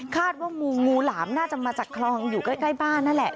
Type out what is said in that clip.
ว่างูงูหลามน่าจะมาจากคลองอยู่ใกล้บ้านนั่นแหละ